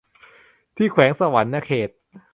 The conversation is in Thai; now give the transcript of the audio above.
ที่แขวงสะหวันนะเขต